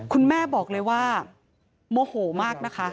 คุณแม่บอกเลยว่าโมโหมากนะคะ